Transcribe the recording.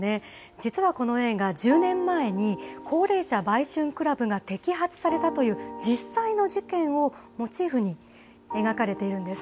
実はこの映画、１０年前に、高齢者売春クラブが摘発されたという、実際の事件をモチーフに描かれているんです。